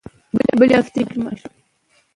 افغانستان د هندوکش په برخه کې نړیوال شهرت لري.